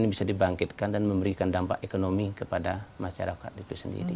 bisa dibangkitkan dan memberikan dampak ekonomi kepada masyarakat itu sendiri